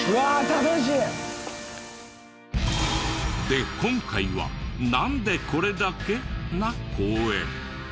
で今回は「なんでこれだけ？」な公園。